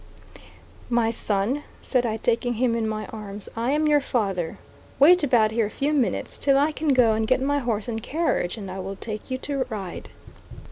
"My son," said I taking him in my arms, "I am your father; wait about here a few minutes till I can go and get my horse and carriage, and I will take you to ride."